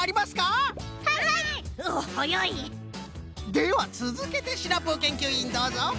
ではつづけてシナプーけんきゅういんどうぞ！